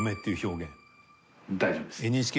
大丈夫です。